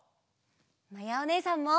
まやおねえさんも！